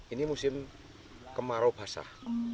ini musim kemarau basah